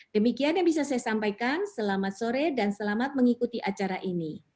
demikian yang bisa saya sampaikan selamat sore dan selamat mengikuti acara ini